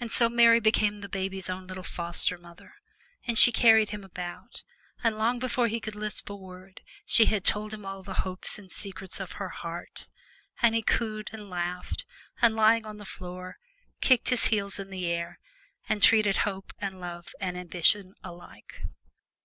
And so Mary became the baby's own little foster mother, and she carried him about, and long before he could lisp a word she had told him all the hopes and secrets of her heart, and he cooed and laughed, and lying on the floor, kicked his heels in the air and treated hope and love and ambition alike.